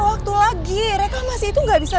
waktu lagi reklamasi itu nggak bisa